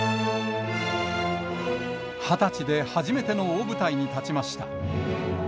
２０歳で初めての大舞台に立ちました。